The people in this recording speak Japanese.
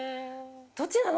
どっちなの？